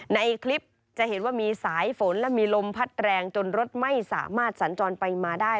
ในคลิปจะเห็นว่ามีสายฝนและมีลมพัดแรงจนรถไม่สามารถสัญจรไปมาได้